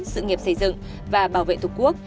sự nghiệp xây dựng và bảo vệ thuộc quốc